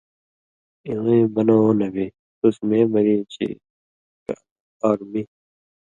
(اِوَیں) بنہ اُو نبی، تُس مے بنی چے کہ اللہ پاک می